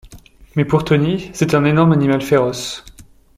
Mais pour Tony, c'est un énorme animal féroce.